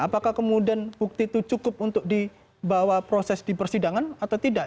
apakah kemudian bukti itu cukup untuk dibawa proses di persidangan atau tidak